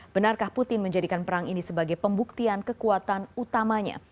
benarkah putin menjadikan perang ini sebagai pembuktian kekuatan utamanya